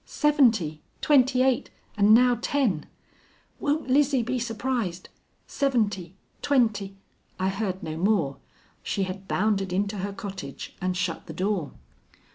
"Seventy; twenty eight; and now ten! Won't Lizzie be surprised! Seventy; twenty " I heard no more she had bounded into her cottage and shut the door.